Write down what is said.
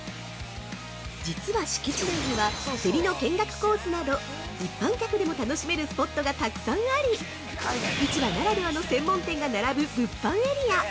実は敷地内には「セリの見学コース」など、一般客でも楽しめるスポットがたくさんあり市場ならではの専門店が並ぶ物販エリア！